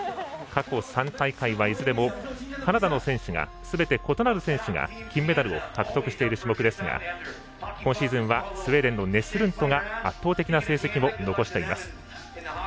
過去３大会はいずれもカナダの選手がすべて異なる選手が金メダルを獲得している種目ですが今シーズンはスウェーデンのネスルントが圧倒的な成績を残しています。